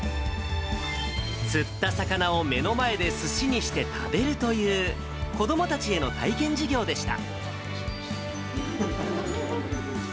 釣った魚を目の前ですしにして食べるという、子どもたちへの体験授業でした。